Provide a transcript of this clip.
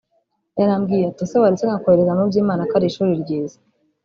yarambwiye ati ese waretse nkakoherereza mu Byimana ko ari ishuli ryiza